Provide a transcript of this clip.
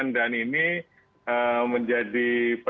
dan ini menjadi